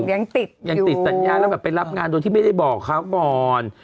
ยังติดยังติดสัญญาแล้วแบบไปรับงานโดยที่ไม่ได้บอกเขาก่อน